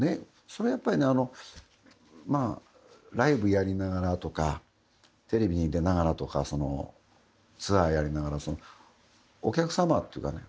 それはやっぱりねまあライブやりながらとかテレビに出ながらとかツアーやりながらお客様っていうかね